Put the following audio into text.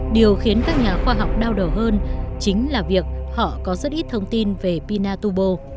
điều khiến các nhà khoa học đau đầu hơn chính là việc họ có rất ít thông tin về pinatubo